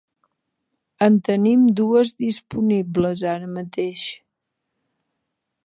En tenim dues disponibles ara mateix.